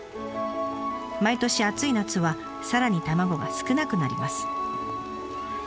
毎年暑い夏はさらに卵が少なくなります。